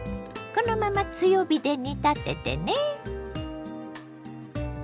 このまま強火で煮立ててね。